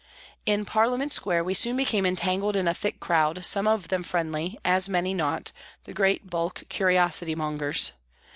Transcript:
In Parliament Square we soon became entangled in a thick crowd, some of them friendly, as many not, the great bulk curiosity mongers.